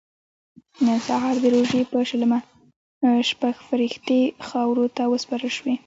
نن سهار د روژې په شلمه شپږ فرښتې خاورو ته وسپارل شوې.